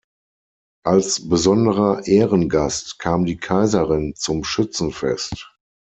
Als besonderer Ehrengast kam die Kaiserin zum Schützenfest.